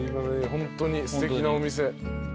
ホントにすてきなお店。